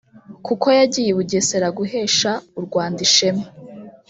kuko yagiye i Bugesera guhesha u Rwanda ishema